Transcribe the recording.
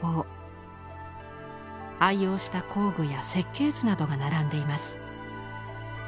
愛用した工具や設計図などが並んでいます。